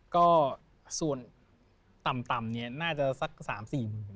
ก็ส่วนต่ำเนี่ยน่าจะสัก๓๔หมื่น